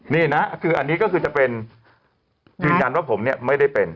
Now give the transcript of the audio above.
นี่นะคืออันนี้ก็คือจะเป็นยืนยันว่าผมเนี่ยไม่ได้เป็น